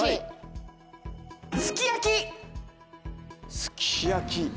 すき焼き！